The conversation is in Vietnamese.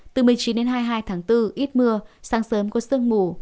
từ một mươi chín đến hai mươi hai tháng bốn ít mưa sáng sớm có sương mù